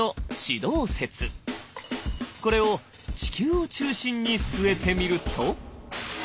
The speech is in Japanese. これを地球を中心に据えてみると。